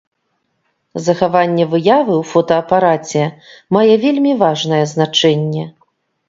Захаванне выявы ў фотаапараце мае вельмі важнае значэнне.